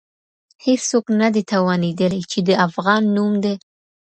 هيڅوک نه دي توانيدلي، چي د «افغان» نوم د